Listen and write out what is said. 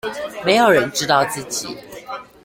沒有人知道自己